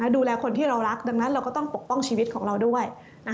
ดูแลคนที่เรารักดังนั้นเราก็ต้องปกป้องชีวิตของเราด้วย